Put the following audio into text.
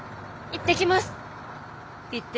行ってきます。